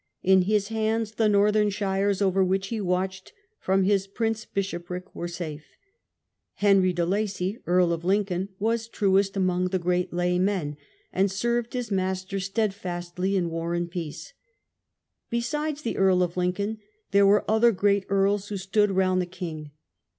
In his hands the northern shires, over which he watched from his prince bishopric, were safe. Henry de Lacy Earl of Lincoln, was truest among the great lay men, and served his master stedfastly in war and peace. Besides the Earl of Lincoln there were other great earls who stood around the king.